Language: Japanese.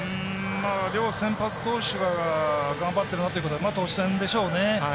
両先発投手が頑張っているなということで投手戦でしょうね。